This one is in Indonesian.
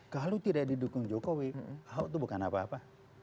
kalau tidak didukung jokowi ahok itu bukan apa apa